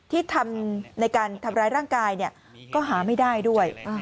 ที่ทำในการทำร้ายร่างกายก็หาไม่ได้ด้วย